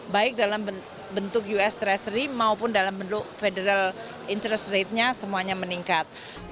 baik dalam bentuk us treasury maupun dalam bentuk federal interest rate nya semuanya meningkat